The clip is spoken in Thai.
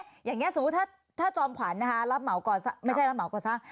อย่างนี้สมมุติถ้าจอมขวัญนะคะรับเหมาก่อสร้างไม่ใช่รับเหมาก่อสร้าง